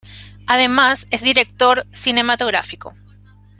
Además es director cinematográfico.